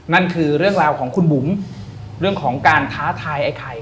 นั่นคือเรื่องราวของคุณบุ๋มเรื่องของการท้าทายไอ้ไข่